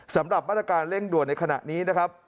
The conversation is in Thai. สำหรับแม่นาการเร่งด่วนในขณะนี้